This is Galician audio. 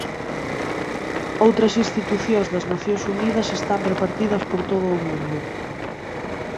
Outras institucións das Nacións Unidas están repartidas por todo o mundo.